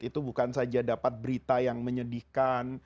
itu bukan saja dapat berita yang menyedihkan